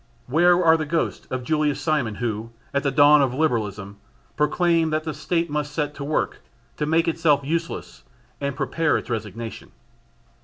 Where are the ghosts of Jules Simon who, at the dawn of Liberalism, proclaimed that "the State must set to work to make itself useless and prepare its resignation?"